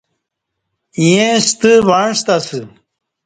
ییں ستہ وعݩستہ اسہ